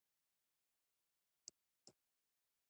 د بولان پټي د افغانانو د تفریح یوه وسیله ده.